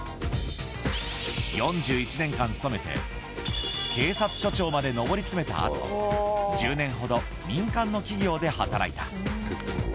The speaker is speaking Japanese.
４１年間勤めて警察署長まで上り詰めたあと１０年ほど民間の企業で働いた。